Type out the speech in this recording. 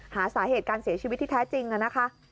หาสาเหตุการเสียชีวิตที่แท้จริงนะคะ